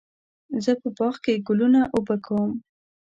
زه په باغ کې ګلونه اوبه کوم.